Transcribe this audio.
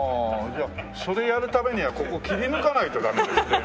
じゃあそれやるためにはここ切り抜かないとダメですね。